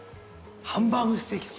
ハンバーグステーキ。